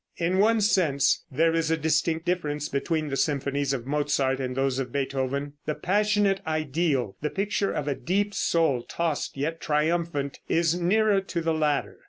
In one sense there is a distinct difference between the symphonies of Mozart and those of Beethoven. The passionate ideal, the picture of a deep soul, tossed yet triumphant, is nearer to the latter.